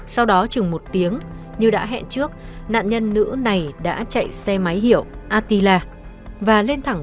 sau đó chừng một tiếng như đã hẹn trước nạn nhân nữ này đã chạy xe máy hiệu atila và lên thẳng